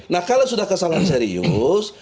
nah kalau sudah kesalahan serius